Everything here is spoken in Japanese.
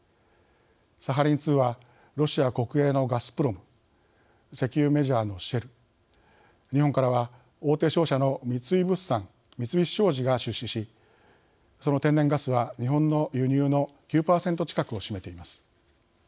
サハリン２はロシア国営のガスプロム石油メジャーのシェル日本からは大手商社の三井物産、三菱商事が出資しその天然ガスは、日本の輸入の９％近くを占めています。